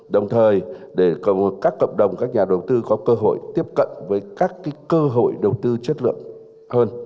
đồng thời để các cộng đồng các nhà đầu tư có cơ hội tiếp cận với các cơ hội đầu tư chất lượng hơn